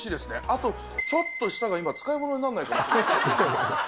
あと、ちょっと舌が今、使い物になんないかもしれない。